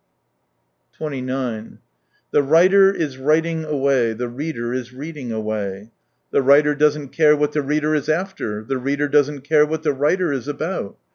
49 29 " The writer is writing away, the reader is reading away "— the writer doesn't care what the reader is after, ther reader doesn't care what the writer is about.